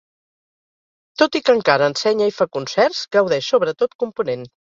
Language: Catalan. Tot i que encara ensenya i fa concerts, gaudeix sobretot component.